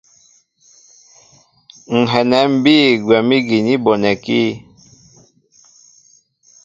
Ŋ̀ hɛnɛ ḿ bîy gwɛ̌m ígi ni bɔnɛkí.